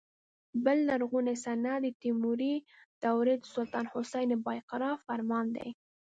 بل لرغونی سند د تیموري دورې د سلطان حسن بایقرا فرمان دی.